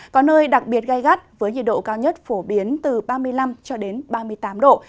có nơi đặc biệt gai gắt với nhiệt độ cao nhất phổ biến từ ba mươi năm cho đến ba mươi tám độ